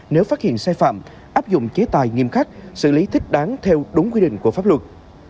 nếu phát hiện sai phạm áp dụng chế tài nghiêm khắc xử lý thích đáng theo đúng quy định của pháp luật